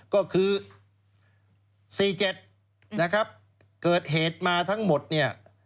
ก็คือ๔๗นะครับเกิดเหตุมาทั้งหมดเนี่ย